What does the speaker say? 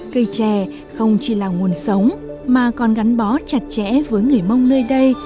cây chè không chỉ là nguồn sống mà còn gắn bó chặt chẽ với người mông nơi đây